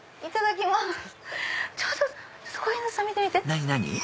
いただきます。